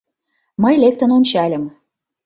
Мый лектын ончальым.